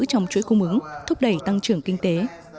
trong chuỗi cung ứng thúc đẩy tăng trưởng kinh tế